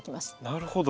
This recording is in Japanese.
なるほど。